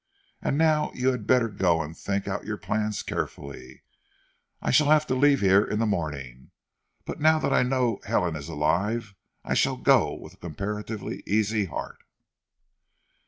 And now you had better go and think out your plans carefully. I shall have to leave here in the morning, but now that I know Helen is alive, I shall go with a comparatively easy heart."